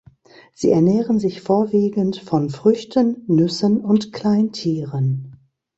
Sie ernähren sich vorwiegend von Früchten, Nüssen und Kleintieren.